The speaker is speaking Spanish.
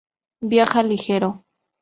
Viaja ligero.